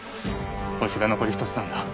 星が残り１つなんだ。